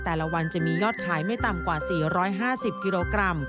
แต่ละวันจะมียอดขายไม่ต่ำกว่า๔๕๐กิโลกรัม